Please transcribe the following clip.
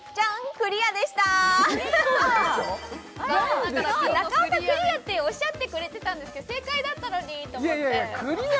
クリアっておっしゃってくれてたんですけど正解だったのにと思っていや